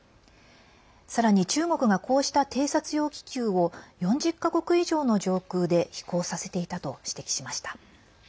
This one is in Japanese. さらに中国がこうした偵察用気球を４０か国以上の上空で飛行させていたと指摘しました。